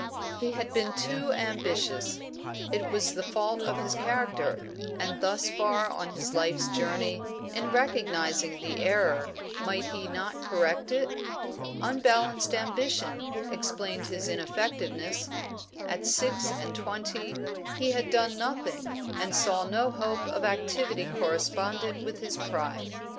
He had been too ambitious. It was the fault of his character, and, thus far on his life's journey, in recognising the error might he not correct it? Unbalanced ambition explained his ineffectiveness. At six and twenty he had done nothing, and saw no hope of activity correspondent with his pride.